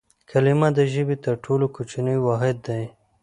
کلیمه د ژبي تر ټولو کوچنی واحد دئ.